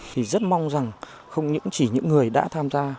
thì rất mong rằng không những chỉ những người đã tham gia